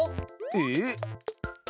えっ？